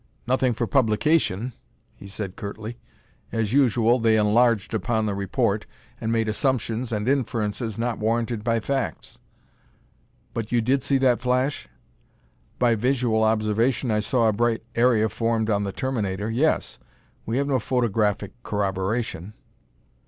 "Nothing for publication," he said curtly. "As usual they enlarged upon the report and made assumptions and inferences not warranted by facts." "But you did see that flash?" "By visual observation I saw a bright area formed on the terminator yes! We have no photographic corroboration."